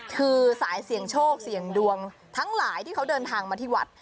คือสายเสี่ยงโชคเสี่ยงดวงทั้งหลายที่เขาเดินทางมาที่วัด